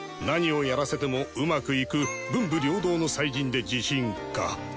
何をやらせてもうまくいく文武両道の才人で自信家。